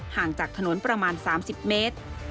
ห่างจากถนนประมาณ๓๐เมตร